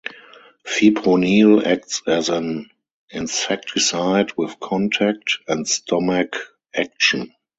Fipronil acts as an insecticide with contact, and stomach action.